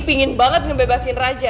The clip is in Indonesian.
pingin banget ngebebasin raja